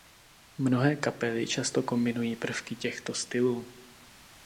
Mnohé kapely často kombinují prvky těchto stylů.